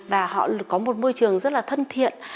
và họ có một môi trường rất là thân thiện